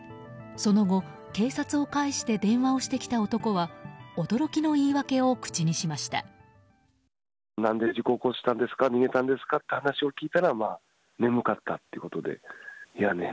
その後、警察を介して電話をしてきた男は驚きの言い訳を口にしました。